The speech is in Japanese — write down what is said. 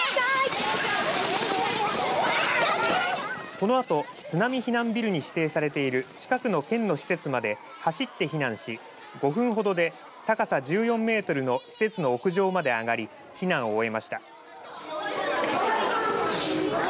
このあと、津波避難ビルに指定されている近くの県の施設まで走って避難し５分ほどで高さ１４メートルの施設の屋上まで上がり避難を終えました。